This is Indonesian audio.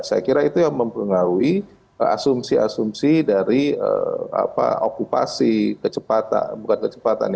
saya kira itu yang mempengaruhi asumsi asumsi dari okupasi kecepatan bukan kecepatan